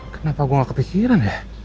kenapa gue gak kepikiran ya